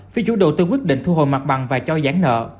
phía chủ đầu tư quyết định thu hồi mặt bằng và cho giãn nợ